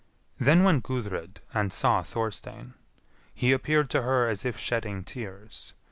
Then went Gudrid and saw Thorstein. He appeared to her as if shedding tears.